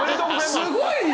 すごいよ！